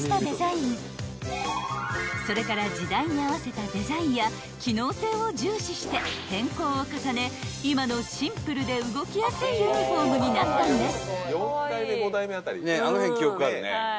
［それから時代に合わせたデザインや機能性を重視して変更を重ね今のシンプルで動きやすいユニホームになったんです］